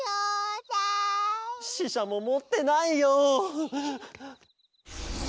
ししゃももってないよ。